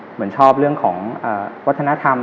เหมือนชอบเรื่องของวัฒนธรรม